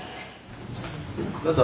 どうぞ。